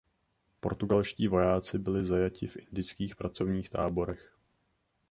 Portugalští vojáci byly zajati v indických pracovních táborech.